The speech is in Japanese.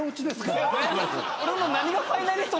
これの何がファイナリスト？